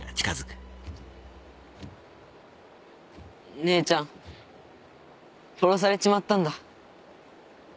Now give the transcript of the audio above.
・姉ちゃん殺されちまったんだ